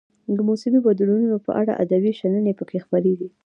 د موسمي بدلونونو په اړه ادبي شننې پکې خپریږي.